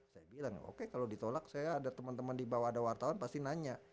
saya bilang oke kalau ditolak saya ada teman teman di bawah ada wartawan pasti nanya